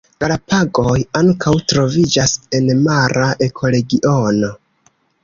Galapagoj ankaŭ troviĝas en mara ekoregiono.